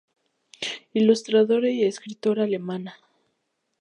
Ilustradora y escritora alemana.